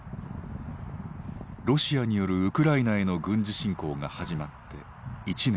ロシアによるウクライナへの軍事侵攻が始まって１年。